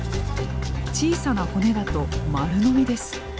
小さな骨だと丸飲みです。